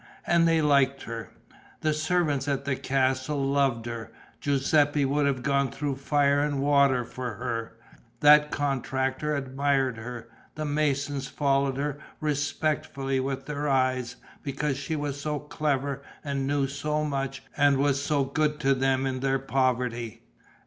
And they liked her. The servants at the castle loved her. Giuseppe would have gone through fire and water for her; that contractor admired her; the masons followed her respectfully with their eyes, because she was so clever and knew so much and was so good to them in their poverty.